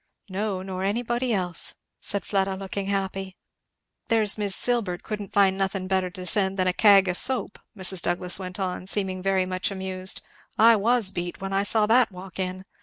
"No, nor anybody else," said Fleda looking happy. "There's Mis' Silbert couldn't find nothing better to send than a kag of soap," Mrs. Douglass went on, seeming very much amused; "I was beat when I saw that walk in!